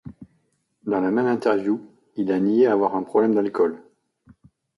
Dans la même interview, il a nié avoir un problème d'alcool.